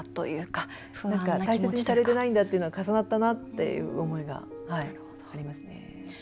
大切にされてないんだっていうのが重なったなという思いがありますね。